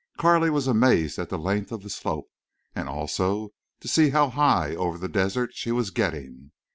Carley was amazed at the length of the slope, and also to see how high over the desert she was getting.